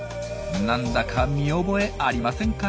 なんだか見覚えありませんか？